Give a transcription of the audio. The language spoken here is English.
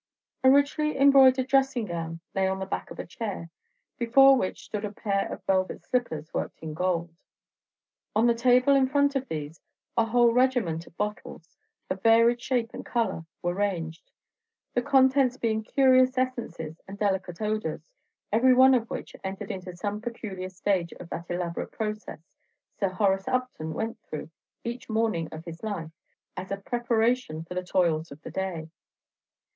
A richly embroidered dressing gown lay on the back of a chair, before which stood a pair of velvet slippers worked in gold. On the table in front of these, a whole regiment of bottles, of varied shape and color, were ranged, the contents being curious essences and delicate odors, every one of which entered into some peculiar stage of that elaborate process Sir Horace Upton went through, each morning of his life, as a preparation for the toils of the day.